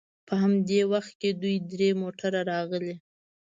په همدې وخت کې دوې درې موټرې راغلې.